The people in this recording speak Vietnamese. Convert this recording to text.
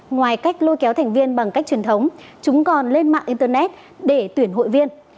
ngoài cách lôi kéo thành viên bằng cách truyền thống chúng còn lên mạng internet để tuyển hội viên